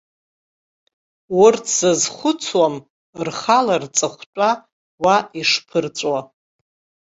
Урҭ зазхәыцуам рхала рҵыхәтәа уа ишԥырҵәо.